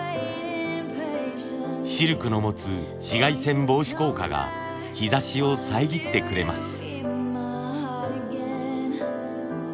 シルクの持つ紫外線防止効果が日ざしを遮ってくれます。